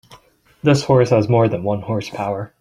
This horse has more than one horse power.